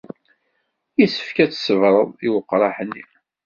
Yessefk ad tṣebred i weqraḥ-nni.